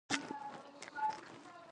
د ژړ لمر زرین لاسونه وکړکۍ ته،